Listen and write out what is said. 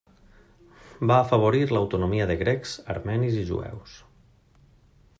Va afavorir l'autonomia de grecs, armenis i jueus.